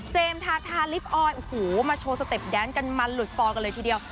ทาทาลิปออยโอ้โหมาโชว์สเต็ปแดนกันมันหลุดฟอร์กันเลยทีเดียว